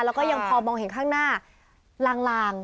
แล้วก็ยังพอมองเห็นข้างหน้าลาง